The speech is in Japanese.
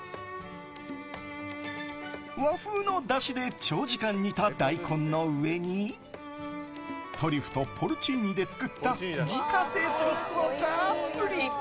和風のだしで長時間煮た大根の上にトリュフとポルチーニで作った自家製ソースをたっぷり。